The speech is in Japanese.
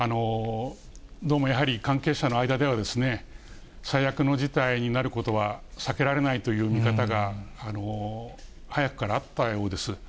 どうもやはり、関係者の間では、最悪の事態になることは避けられないという見方が、早くからあったようです。